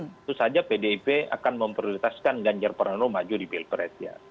tentu saja pdip akan memprioritaskan ganjar pranowo maju di pilpres ya